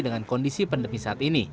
dengan kondisi pandemi saat ini